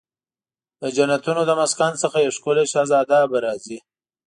د جنتونو د مسکن څخه یو ښکلې شهزاده به راځي